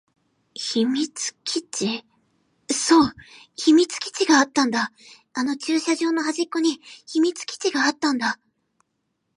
秘密基地。そう、秘密基地があったんだ。あの駐車場の隅っこに秘密基地があったんだ。